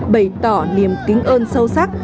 bày tỏ niềm kính ơn sâu sắc